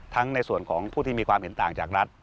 ในส่วนของผู้ที่มีความเห็นต่างจากรัฐ